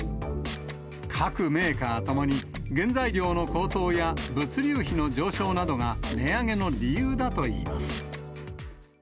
各メーカーともに、原材料の高騰や物流費の上昇などが、値上げの理由だといいます。